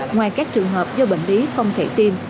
ngoài các trường hợp do bệnh lý không thể tiêm